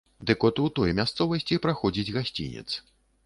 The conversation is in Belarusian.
Дык от у той мясцовасці праходзіць гасцінец.